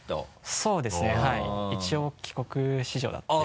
そうですねはい一応帰国子女だったので。